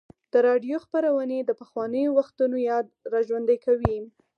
د راډیو خپرونې د پخوانیو وختونو یاد راژوندی کوي.